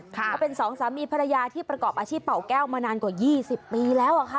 เขาเป็นสองสามีภรรยาที่ประกอบอาชีพเป่าแก้วมานานกว่า๒๐ปีแล้วค่ะ